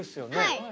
はい。